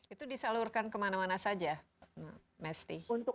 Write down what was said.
itu disalurkan kemana mana saja mesty